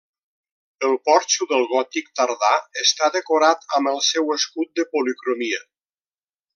El porxo del gòtic tardà està decorat amb el seu escut de policromia.